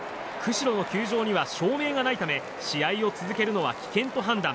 釧路の球場には照明がないため試合を続けるのは危険と判断。